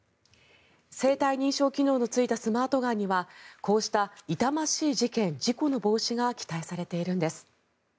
生体認証機能のついたスマートガンにはこうした痛ましい事件・事故の防止が期待されているんです。